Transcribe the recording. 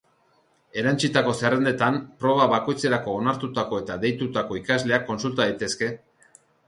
Erantsitako zerrendetan, proba bakoitzerako onartutako eta deitutako ikasleak kontsulta daitezke.